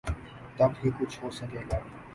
تب ہی کچھ ہو سکے گا۔